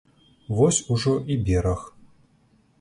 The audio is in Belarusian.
Вось ужо і бераг.